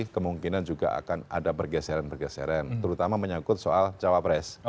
kemungkinan juga akan ada pergeseran pergeseran terutama menyangkut soal cawapres